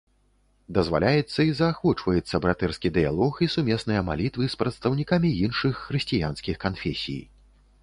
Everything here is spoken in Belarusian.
Дазваляецца і заахвочваецца братэрскі дыялог і сумесныя малітвы з прадстаўнікамі іншых хрысціянскіх канфесій.